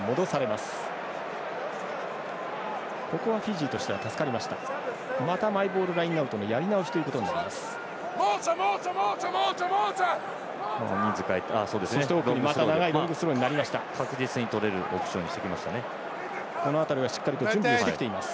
またマイボールラインアウトのやり直しとなります。